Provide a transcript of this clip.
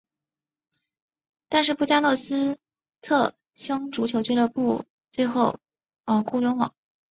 但是布加勒斯特星足球俱乐部最后雇佣了。